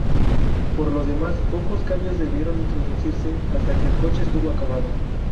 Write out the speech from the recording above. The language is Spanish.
Por lo demás, pocos cambios debieron introducirse hasta que el coche estuvo acabado.